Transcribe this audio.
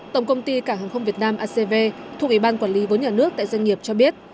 tổng công ty cảng hàng không việt nam acv thuộc ủy ban quản lý vốn nhà nước tại doanh nghiệp cho biết